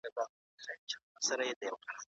چاچي خپله لور ژوندۍ نه وي ښخه کړې.